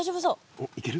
おっいける？